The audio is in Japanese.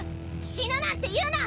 死ぬなんて言うな！